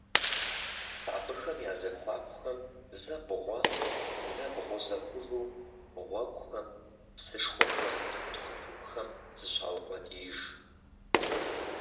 Абыхэм я зэхуакухэм зэ бгъуэ, зэ бгъузэ хъужу гъуэгухэм, псышхуэхэм, псы цӀыкӀухэм зыщаукъуэдииж.